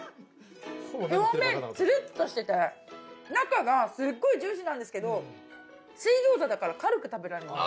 表面ツルっとしてて中がすっごいジューシーなんですけど水餃子だから軽く食べられます。